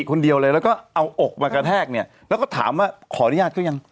คนเดียวเลยแล้วก็เอาอกมากระแทกเนี่ยแล้วก็ถามว่าขออนุญาตก็ยัง